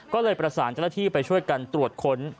ก็เลยประสานเจ้าหน้าที่ไปช่วยกันตรวจค้น